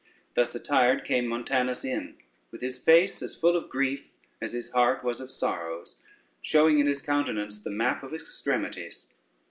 ] Thus attired came Montanus in, with his face as full of grief as his heart was of sorrows, showing in his countenance the map of extremities.